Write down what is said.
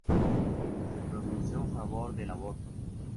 Se pronunció en favor del aborto.